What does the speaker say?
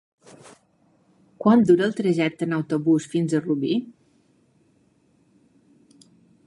Quant dura el trajecte en autobús fins a Rubí?